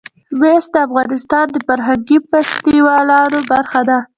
مس د افغانستان د فرهنګي فستیوالونو برخه ده.